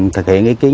thực hiện ý kiến